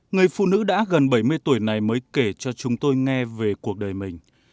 người phụ nữ đã gần bảy mươi tuổi này mới kể cho chúng tôi nghe về cuộc đời mình